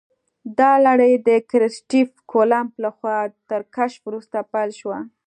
دا لړۍ د کریسټف کولمب لخوا تر کشف وروسته پیل شوه.